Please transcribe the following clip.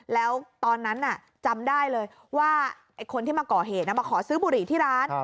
แล้วตอนนั้นจำได้เลยว่าไอ้คนที่มาก่อเหตุมาขอซื้อบุหรี่ที่ร้าน